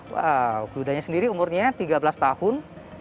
wow kudanya sendiri umurnya tiga belas tahun